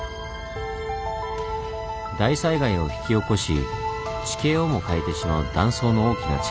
大災害を引き起こし地形をも変えてしまう断層の大きな力。